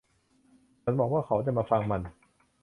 ฉันหวังว่าเขาจะมาฟังมัน